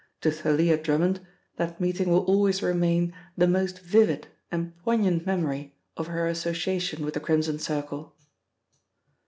To Thalia Drummond that meeting will always remain the most vivid and poignant memory of her association with the Crimson Circle.